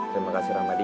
terima kasih ramadi